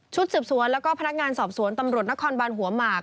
สืบสวนแล้วก็พนักงานสอบสวนตำรวจนครบานหัวหมาก